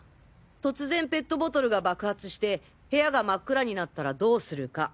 突然ペットボトルが爆発して部屋が真っ暗になったらどうするか。